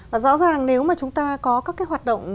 và rõ ràng nếu mà chúng ta có các cái hoạt động